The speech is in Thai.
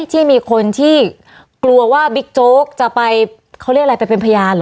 ที่มีคนที่กลัวว่าบิ๊กโจ๊กจะไปเขาเรียกอะไรไปเป็นพยานเหรอ